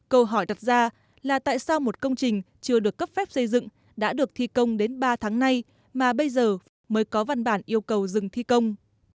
câu hỏi đặt ra là tại sao một công trình chưa được cấp phép xây dựng đã được thi công đến ba tháng nay mà bây giờ mới có văn bản yêu cầu dừng thi công